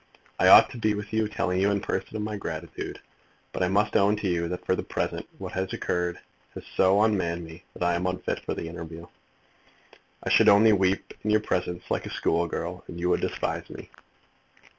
I ought to be with you telling you in person of my gratitude; but I must own to you that for the present what has occurred has so unmanned me that I am unfit for the interview. I should only weep in your presence like a school girl, and you would despise me."